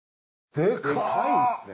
でかいっすね！